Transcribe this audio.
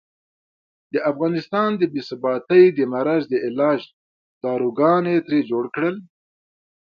د افغانستان د بې ثباتۍ د مرض د علاج داروګان یې ترې جوړ کړل.